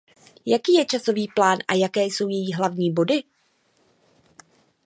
Jaký je časový plán a jaké jsou její hlavní body?